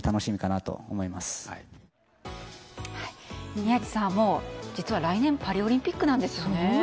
宮司さん、実はもう来年パリオリンピックなんですよね。